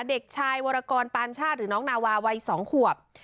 เด็กชายวรกรปานชาติหรือน้องนาวาวัย๒ขวบ